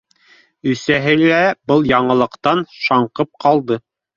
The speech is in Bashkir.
Өсөһө лә был яңылыҡтан шаңҡып ҡалды